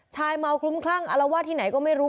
ชายเมาคลุ้มคลั่งอะละว่าที่ไหนก็ไม่รู้